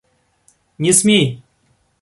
Не смей!